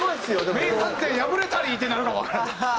名探偵敗れたり！ってなるかもわからない。